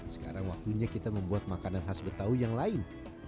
sekarang waktunya kita membuat makanan khas betawi yang lain